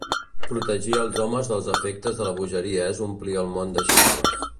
Protegir els homes dels efectes de la bogeria és omplir el món de ximples.